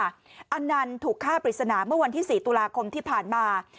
อันนั้นถูกฆ่าปริศนาเมื่อวันที่๔ตุลาคมที่ผ่านมา